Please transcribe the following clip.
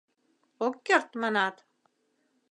— Ок керт, манат?